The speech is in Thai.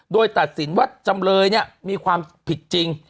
โดยตัดสินว่าจำเลยมีความผิดจริง